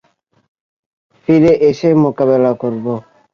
ফিরে এসে মোকাবেলা করবো।